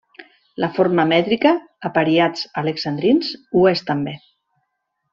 La forma mètrica -apariats alexandrins- ho és també.